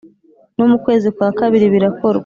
Nuko mu kwezi kwa kabiri birakorwa